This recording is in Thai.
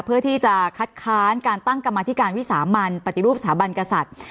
เพื่อที่จะคัดค้านการตั้งกรรมธิการวิสามันปฏิรูปสถาบันกษัตริย์